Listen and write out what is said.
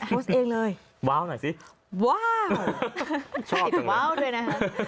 โพสต์เองเลยว้าวหน่อยสิว้าวชอบจังเลยติดว้าวด้วยนะ